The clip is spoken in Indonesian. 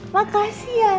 bantal ini cuman ga jadi jadi